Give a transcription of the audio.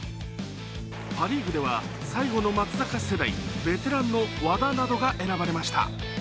パ・リーグでは最後の松坂世代、ベテランの和田などが選出されました。